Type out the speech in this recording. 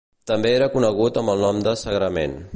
També era conegut amb el nom de sagrament.